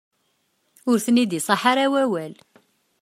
Ur ten-id-iṣaḥ ara wawal.